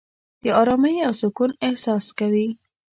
د آرامۍ او سکون احساس کوې.